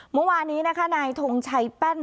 เมื่อวานนี้นะคะนายทงชัยแป้น